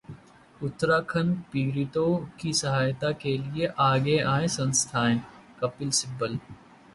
उत्तराखंड पीड़ितों की सहायता के लिए आगे आएं संस्थाएं: कपिल सिब्बल